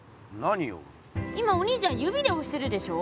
今お兄ちゃん指でおしてるでしょ。